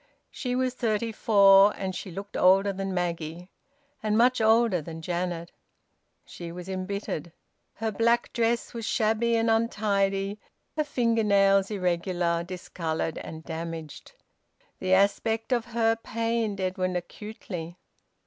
She was thirty four, and she looked older than Maggie, and much older than Janet. She was embittered. Her black dress was shabby and untidy, her finger nails irregular, discoloured, and damaged. The aspect of her pained Edwin acutely.